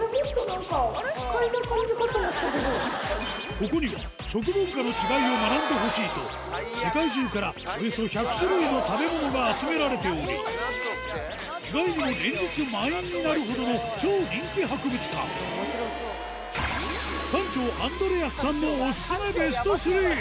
ここには食文化の違いを学んでほしいと世界中からおよそ１００種類の食べ物が集められており意外にも連日満員になるほどの超人気博物館うわぁ！